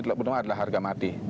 teluk benoa adalah harga mati